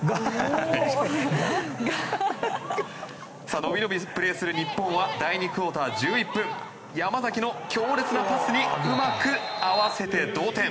のびのびプレーする日本は第２クオーター１１分山崎の強烈なパスにうまく合わせて同点。